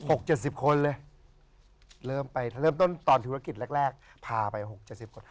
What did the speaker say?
อืม๖๗๐คนเลยเริ่มไปเริ่มต้นตอนธุรกิจแรกพาไป๖๗๐คน